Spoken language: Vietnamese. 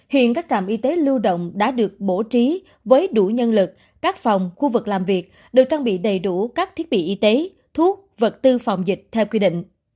hiện các trạm y tế lưu động đã được bổ trí với đủ nhân lực các phòng khu vực làm việc được trang bị đầy đủ các thiết bị y tế thuốc vật tư phòng dịch theo quy định